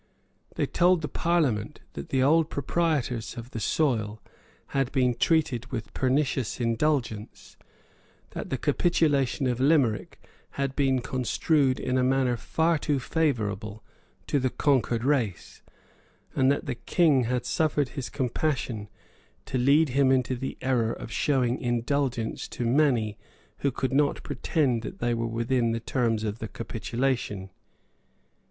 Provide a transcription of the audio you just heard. They told the Parliament that the old proprietors of the soil had been treated with pernicious indulgence; that the capitulation of Limerick had been construed in a manner far too favourable to the conquered race; and that the King had suffered his compassion to lead him into the error of showing indulgence to many who could not pretend that they were within the terms of the capitulation.